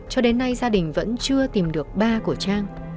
hai gia đình vẫn chưa tìm được ba của trang